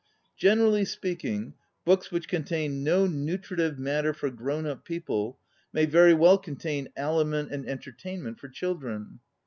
Generally speaking, books which contain no nu tritive matter for grown up people may very well contain aliment and 36 ON READING entertainment for children.